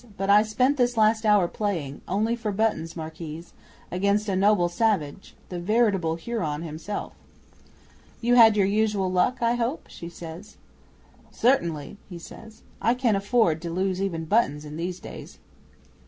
"But I spent this last hour playing only for buttons, Marquise against a noble savage, the veritable Huron himself." '"You had your usual luck, I hope?" she says. '"Certainly," he says. "I cannot afford to lose even buttons in these days."